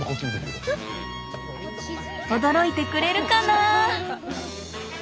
驚いてくれるかな？